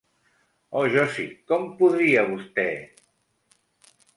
Oh Josie, com podria vostè?